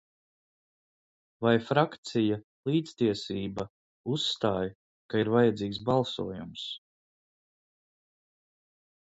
"Vai frakcija "Līdztiesība" uzstāj, ka ir vajadzīgs balsojums?"